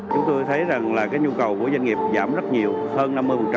chúng tôi thấy rằng là cái nhu cầu của doanh nghiệp giảm rất nhiều hơn năm mươi